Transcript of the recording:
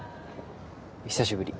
久しぶり。